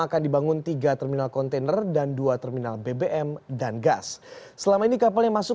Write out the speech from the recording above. akan dibangun tiga terminal kontainer dan dua terminal bbm dan gas selama ini kapal yang masuk